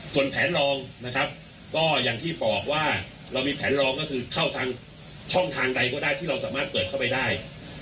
ส่วนแผนลองนะครับก็อย่างที่บอกว่าเรามีแผนลองก็คือเข้าทางช่องทางใดก็ได้ที่เราสามารถเปิดเข้าไปได้